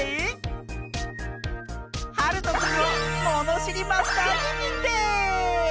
はるとくんをものしりマスターににんてい！